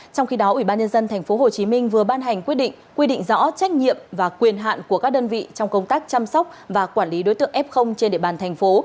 trong khi đó ubnd tp hcm vừa ban hành quyết định quy định rõ trách nhiệm và quyền hạn của các đơn vị trong công tác chăm sóc và quản lý đối tượng f trên địa bàn thành phố